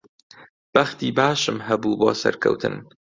بەختی باشم هەبوو بۆ سەرکەوتن.